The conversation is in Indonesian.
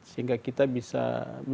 sehingga kita bisa meneruskan